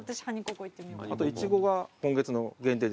あとイチゴが今月の限定ですね。